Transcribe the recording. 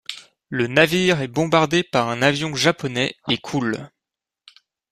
Le navire est bombardé par un avion japonais et coule.